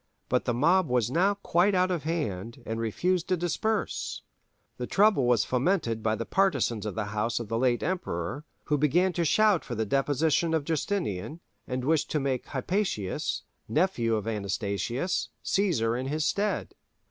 But the mob was now quite out of hand, and refused to disperse: the trouble was fomented by the partisans of the house of the late emperor, who began to shout for the deposition of Justinian, and wished to make Hypatius, nephew of Anastasius, Cæsar in his stead.